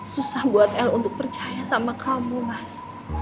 susah buat el untuk percaya sama kamu mas